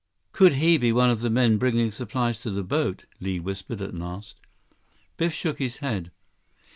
"Could he be one of the men bringing supplies to the boat?" Li whispered at last. Biff shook his head.